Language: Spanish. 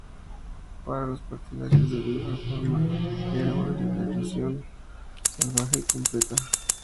Para los partidarios del no la reforma era "una liberalización salvaje y completa".